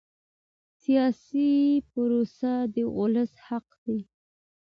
سیاسي پروسه د ولس حق دی